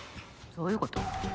どういうこと？